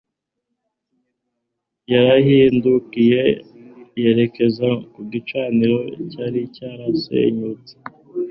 yarahindukiye yerekeza ku gicaniro cyari cyarasenyutse